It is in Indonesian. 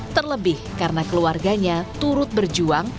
terlebih karena keluarganya turut berjuang